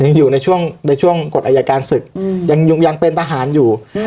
ยังอยู่ในช่วงในช่วงกฎอายการศึกยังเป็นทหารอยู่